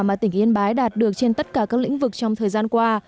mà tỉnh yên bái đạt được trên tất cả các lĩnh vực trong thời gian qua